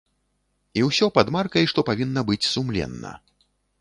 І ўсё пад маркай, што павінна быць сумленна.